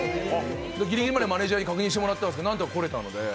ぎりぎりまでマネージャーに確認してもらっていたんですけどなんとか出れたんで。